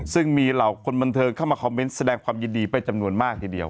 ซึ่งมีเหล่าคนบันเทิงเข้ามาคอมเมนต์แสดงความยินดีเป็นจำนวนมากทีเดียว